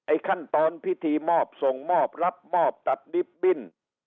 ขั้นตอนพิธีมอบส่งมอบรับมอบตัดดิบบิ้น